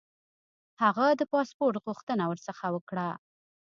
هغه د پاسپوټ غوښتنه ورڅخه وکړه.